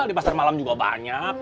di pasar malam juga banyak